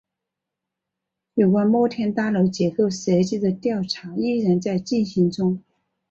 有关摩天大楼结构设计的调查依然在进行中。